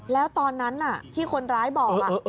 แล้วตอนนั้นที่คนร้ายบอก